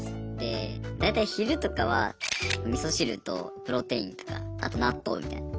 大体昼とかはみそ汁とプロテインとかあと納豆みたいな。